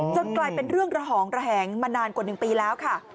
กลายเป็นเรื่องระหองระแหงมานานกว่า๑ปีแล้วค่ะ